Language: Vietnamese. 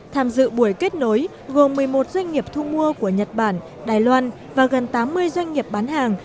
tham dự buổi kết nối gồm một mươi một doanh nghiệp thu mua của nhật bản đài loan và gần tám mươi doanh nghiệp bán hàng